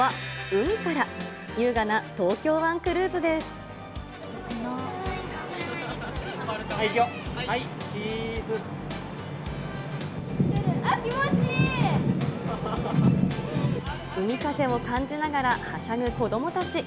海風を感じながらはしゃぐ子どもたち。